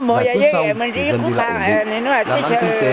giải quyết xong người dân đi lại cũng khó khăn